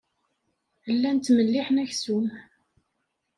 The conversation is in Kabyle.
Llan ttmelliḥen aksum.